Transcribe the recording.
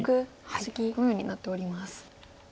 このようになっております。